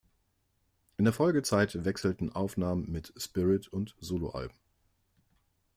In der Folgezeit wechselten Aufnahmen mit Spirit und Soloalben.